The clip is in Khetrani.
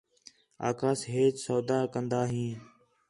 آکھاس ہیچ سودا کندا ہیں